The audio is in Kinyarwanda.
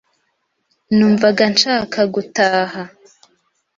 Numvaga nshaka gutaha.